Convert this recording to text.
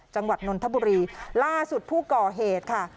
จังหวัดนนทบุรีล่าสุดผู้ก่อเหตุค่ะ